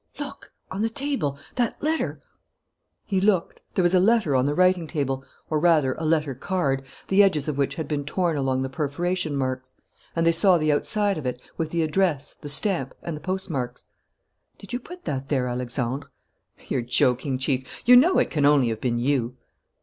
"Look! ... on the table ... that letter " He looked. There was a letter on the writing table, or, rather, a letter card, the edges of which had been torn along the perforation marks; and they saw the outside of it, with the address, the stamp, and the postmarks. "Did you put that there, Alexandre?" "You're joking, Chief. You know it can only have been you."